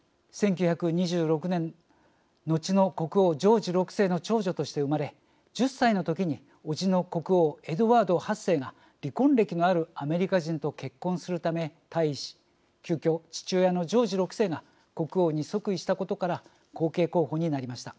１９２６年後の国王ジョージ６世の長女として生まれ１０歳の時に伯父の国王エドワード８世が離婚歴のあるアメリカ人と結婚するため退位し急きょ父親のジョージ６世が国王に即位したことから後継候補になりました。